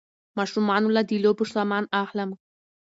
ماشومانو له د لوبو سامان اخلم